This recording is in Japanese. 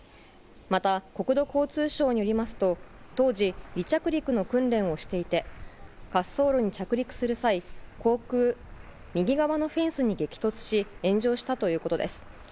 また、国土交通省によりますと当時、離着陸の訓練をしていて滑走路に着陸する際右側のフェンスに激突し炎上したということです。